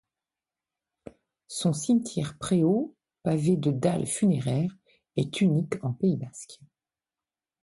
Son cimetière-préau, pavé de dalles funéraires, est unique en Pays basque.